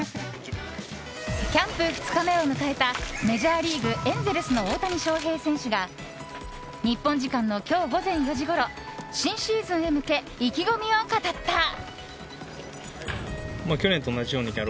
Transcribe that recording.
キャンプ２日目を迎えたメジャーリーグ、エンゼルスの大谷翔平選手が日本時間の今日午前４時ごろ新シーズンへ向け意気込みを語った。